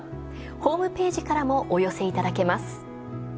ホームページからもお寄せいただけます。